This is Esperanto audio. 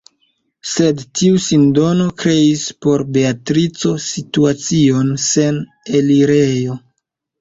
Sed tiu sindono kreis por Beatrico situacion sen elirejo.